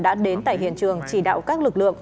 đã đến tại hiện trường chỉ đạo các lực lượng